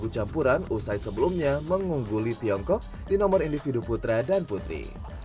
campuran usai sebelumnya mengungguli tiongkok di nomor individu putra dan putri